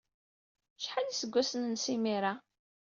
Acḥal iseggasen-nnes imir-a?